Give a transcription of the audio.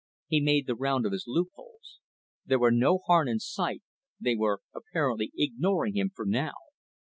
He made the round of his loopholes. There were no Harn in sight, they were apparently ignoring him for now.